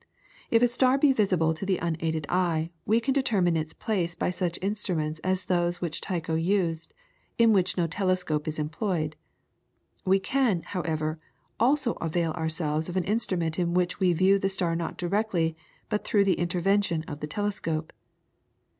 If a star be visible to the unaided eye, we can determine its place by such instruments as those which Tycho used, in which no telescope is employed. We can, however, also avail ourselves of an instrument in which we view the star not directly but through the intervention of the telescope.